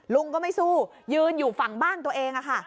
ลุงก็ไม่สู้ยืนอยู่ฝั่งบ้านตัวเองค่ะ